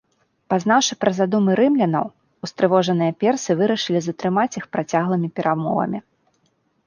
Пазнаўшы пра задумы рымлянаў, устрывожаныя персы вырашылі затрымаць іх працяглымі перамовамі.